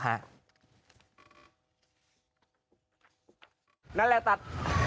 นั่นแหละตัด